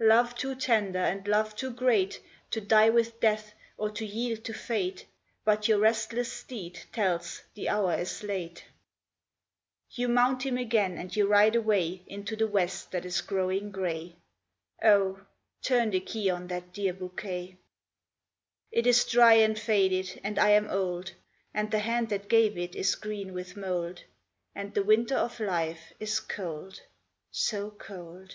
Love too tender and love too great To die with death, or to yield to fate; But your restless steed tells the hour is late. You mount him again and you ride away Into the west that is growing gray. Oh! turn the key on that dear bouquet. It is dry and faded and I am old: And the hand that gave it is green with mould, And the winter of life is cold so cold.